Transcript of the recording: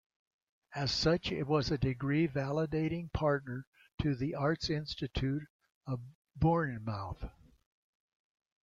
As such it was degree validating partner to The Arts Institute at Bournemouth.